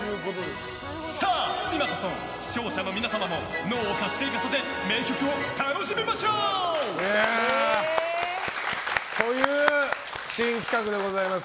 さあ、今こそ視聴者の皆様も脳を活性化させ名曲を楽しみましょう！という新企画でございます。